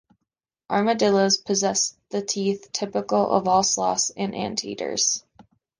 Armadillos possess the teeth typical of all sloths and anteaters.